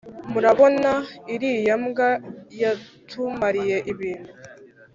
murabona iriya mbwa yatumariye ibintu!